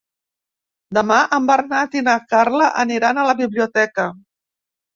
Demà en Bernat i na Carla aniran a la biblioteca.